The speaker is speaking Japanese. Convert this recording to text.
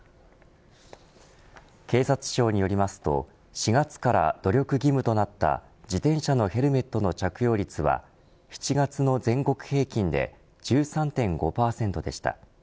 警察庁によりますと４月から努力義務となった自転車のヘルメットの着用率は７月の全国平均で１３．５％でした。